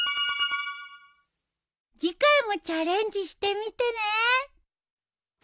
次回もチャレンジしてみてね。